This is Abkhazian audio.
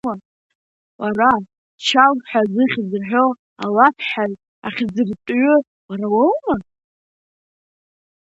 Уара, Чагә ҳәа зыхьӡ рҳәо алафҳәаҩ-ахьӡыртәҩы уара уоума?